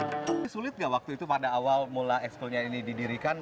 sudah tidak sulit tidak waktu itu pada awal mula eksplonya ini didirikan